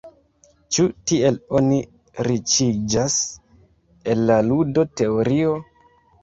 Ĉu tiel oni riĉiĝas el la ludo-teorio?